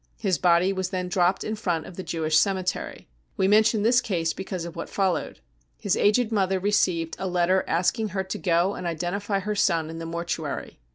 His body was then dropped in front of the Jewish cemetery. We mention this case because of what followed. His aged mother received a letter asking her to go and identify her son in the mortuary.